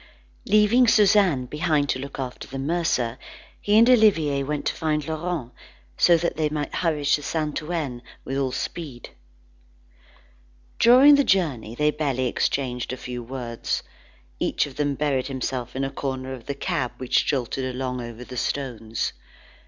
Leaving Suzanne behind to look after the mercer, he and Olivier went to find Laurent, so that they might hurry to Saint Ouen with all speed. During the journey, they barely exchanged a few words. Each of them buried himself in a corner of the cab which jolted along over the stones.